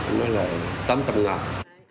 nó là tám tầng ngàn